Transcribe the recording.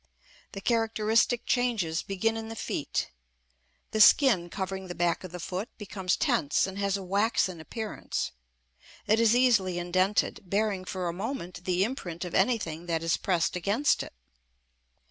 The characteristic changes begin in the feet. The skin covering the back of the foot becomes tense and has a waxen appearance; it is easily indented, bearing for a moment the imprint of anything that is pressed against it.